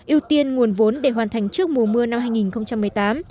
ưu tiên nguồn vốn để hoàn thành trước mùa mưa năm hai nghìn một mươi tám